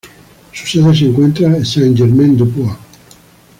Su sede se encuentra en Saint-Germain-du-Puy.